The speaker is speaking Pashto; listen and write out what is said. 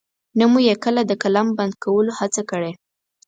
نه مو يې کله د قلم بند کولو هڅه کړې.